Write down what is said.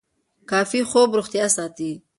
کافي خوب روغتیا ساتي.